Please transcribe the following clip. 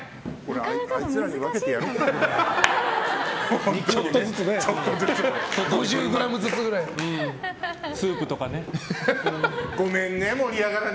あいつらに分けてやろうかな。